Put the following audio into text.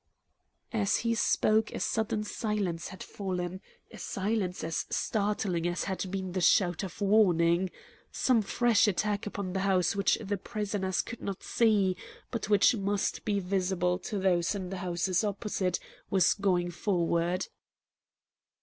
As he spoke a sudden silence had fallen, a silence as startling as had been the shout of warning. Some fresh attack upon the house which the prisoners could not see, but which must be visible to those in the houses opposite was going forward.